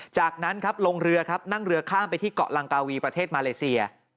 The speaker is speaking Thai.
จากนั้นครับลงเรือครับนั่งเรือข้ามไปที่เกาะลังกาวีประเทศมาเลเซีย